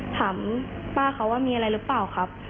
ถามป้าเขาว่ามีอะไรหรือเปล่าครับ